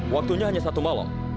waktunya hanya satu malam